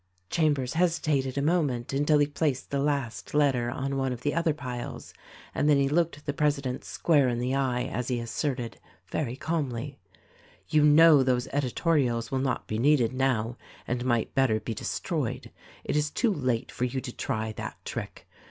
Chambers hesitated a moment until he placed the last letter on one of the other piles and then he looked the presi dent square in the eye as he asserted — very calmly — "You know those editorials will not be needed now and might bet ter be destroyed. It is too late for you to try that trick.